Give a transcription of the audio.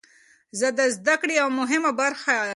ژبه د زده کړې یوه مهمه برخه ده.